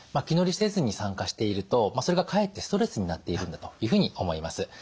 気乗りせずに参加しているとそれがかえってストレスになっているんだというふうに思います。